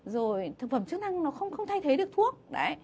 rồi thực phẩm chức năng nó không thay thế được thuốc đấy